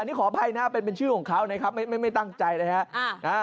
อันนี้ขออภัยนะเป็นชื่อของเขานะครับไม่ตั้งใจเลยฮะ